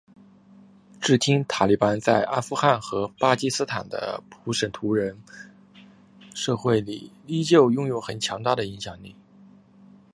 至今塔利班在阿富汗和巴基斯坦的普什图人社区里依旧拥有很强大的影响力。